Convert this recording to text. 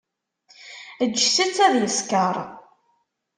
Ǧǧet-tt ad yeskeṛ.